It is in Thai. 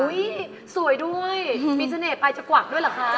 อุ้ยสวยด้วยมีเสน่ห์ไปจะกว่ากด้วยหรือคะ